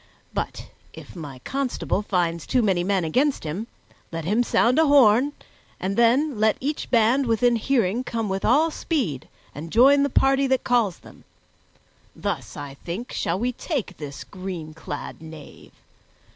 But if any constable finds too many men against him, let him sound a horn, and then let each band within hearing come with all speed and join the party that calls them. Thus, I think, shall we take this green clad knave.